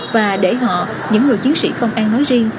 và để họ những người chiến sĩ không ai nói riêng